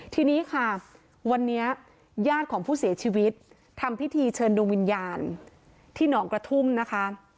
ทีนี้ค่ะวันนี้ญาติของผู้เสียชีวิตทำพิธีเชิญดวงวิญญาณที่หนองกระทุ่มนะคะ